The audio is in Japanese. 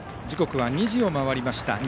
時刻は２時を回りました。